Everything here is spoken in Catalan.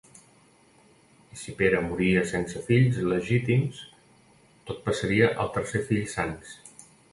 I si Pere moria sense fills legítims, tot passaria al tercer fill Sanç.